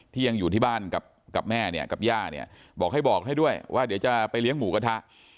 ที่ยังอยู่ที่บ้านกับแม่เนี่ยกับย่าเนี่ยบอกให้บอกให้ด้วยว่าเดี๋ยวจะไปเลี้ยงหมูกระทะ